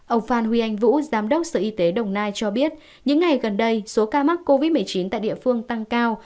ông phan huy anh vũ giám đốc sở y tế đồng nai cho biết những ngày gần đây số ca mắc covid một mươi chín tại địa phương tăng cao